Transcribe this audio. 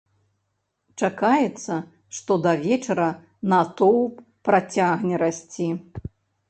Чакаецца, што да вечара натоўп працягне расці.